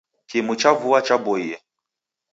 Kimu cha vua cha'aboie